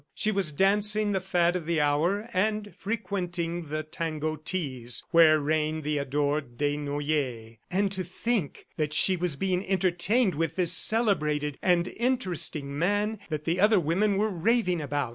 She was dancing the fad of the hour and frequenting the tango teas where reigned the adored Desnoyers. And to think that she was being entertained with this celebrated and interesting man that the other women were raving about!